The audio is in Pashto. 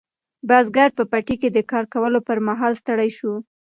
بزګر په پټي کې د کار کولو پر مهال ستړی شو.